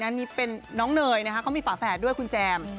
อันนี้เป็นน้องเนยนะคะเขามีฝาแฝดด้วยคุณแจม